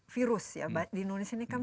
virus ya di indonesia ini kan